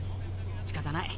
しかたない。